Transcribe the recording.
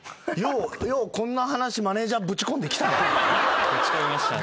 ようこんな話マネジャーぶち込んできたな。ぶち込みましたね。